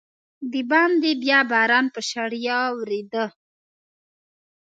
دباندې بیا باران په شړپا ورېده.